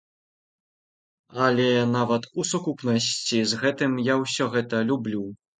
Але нават у сукупнасці з гэтым я ўсё гэта люблю.